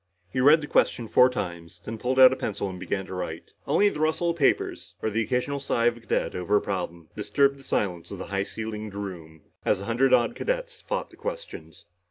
He read the question four times, then pulled out a pencil and began to write. Only the rustle of the papers, or the occasional sigh of a cadet over a problem, disturbed the silence in the high ceilinged room, as the hundred odd cadets fought the questions.